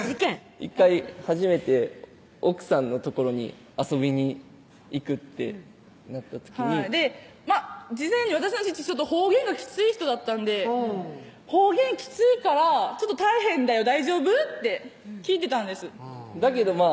１回初めて奥さんの所に遊びに行くってなった時に事前に私の父方言がきつい人だったんで「方言きついから大変だよ大丈夫？」って聞いてたんですだけど